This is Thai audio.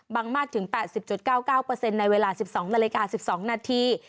มากถึง๘๐๙๙ในเวลา๑๒นาฬิกา๑๒นาที